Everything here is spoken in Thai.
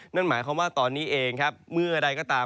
นั่นหมายความว่าตอนนี้เองครับเมื่อใดก็ตาม